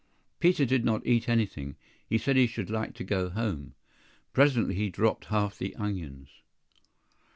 PETER did not eat anything; he said he should like to go home. Presently he dropped half the onions.